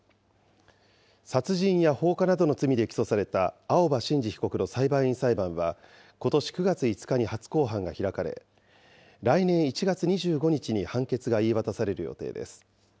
殺人や放火などの罪で起訴された青葉真司被告の裁判員裁判は、ことし９月５日に初公判が開かれ、来年１月２５日に判決が言い渡される予定です。